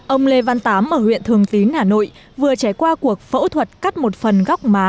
ông lê văn tám ở huyện thường tín hà nội vừa trải qua cuộc phẫu thuật cắt một phần góc má